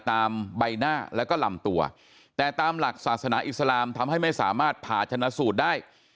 ใบหน้าแล้วก็ลำตัวแต่ตามหลักศาสนาอิสลามทำให้ไม่สามารถผ่าชนะสูตรได้